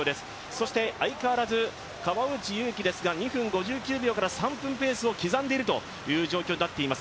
そして、相変わらず川内優輝ですが２分５９秒から３分ペースを刻んでいるという状況です。